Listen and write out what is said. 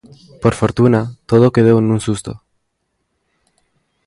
Por fortuna, todo quedou nun susto.